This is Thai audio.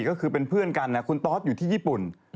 ก็คือเป็นเพื่อนกันคุณตอสอยู่ที่ญี่ปุ่น